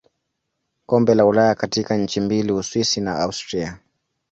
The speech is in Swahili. Kombe la Ulaya katika nchi mbili Uswisi na Austria.